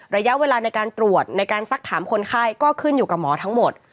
ระยะเวลาในการตรวจในการซักถามคนไข้ก็ขึ้นอยู่กับหมอทั้งหมด